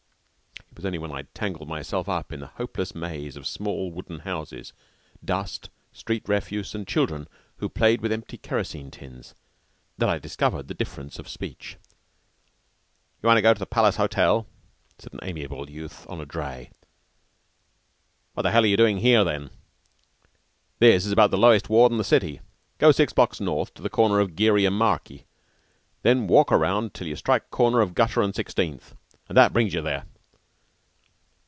It was only when I had tangled myself up in a hopeless maze of small wooden houses, dust, street refuse, and children who played with empty kerosene tins, that I discovered the difference of speech. "You want to go to the Palace Hotel?" said an affable youth on a dray. "What in hell are you doing here, then? This is about the lowest ward in the city. Go six blocks north to corner of Geary and Markey, then walk around till you strike corner of Gutter and Sixteenth, and that brings you there."